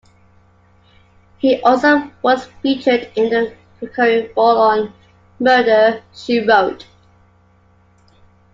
He also was featured in a recurring role on "Murder, She Wrote".